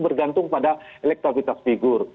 bergantung pada elektabilitas figur